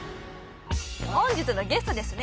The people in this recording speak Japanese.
本日のゲストですね